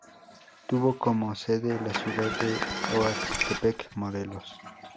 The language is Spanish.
Tuvo como sede la ciudad de Oaxtepec, Morelos.